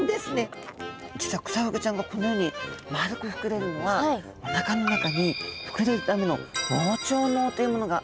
実はクサフグちゃんがこのように丸く膨れるのはおなかの中に膨れるための「膨張のう」というものがあるんですね。